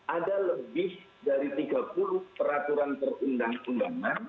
ada lebih dari tiga puluh peraturan perundang undangan